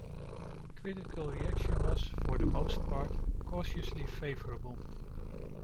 Critical reaction was, for the most part, cautiously favorable.